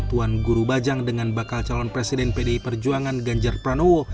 tuan guru bajang dengan bakal calon presiden pdi perjuangan ganjar pranowo